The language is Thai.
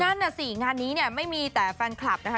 นั่นน่ะสิงานนี้เนี่ยไม่มีแต่แฟนคลับนะคะ